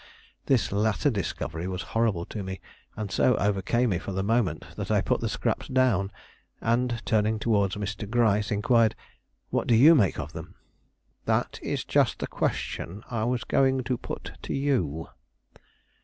This latter discovery was horrible to me, and so overcame me for the moment that I put the scraps down, and, turning towards Mr. Gryce, inquired: "What do you make of them?" "That is just the question I was going to put to you."